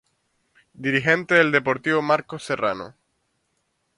Dirigente del Deportivo Marcos Serrano.